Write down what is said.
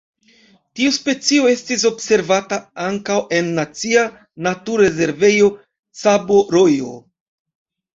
Tiu specio estis observata ankaŭ en Nacia Naturrezervejo Cabo Rojo.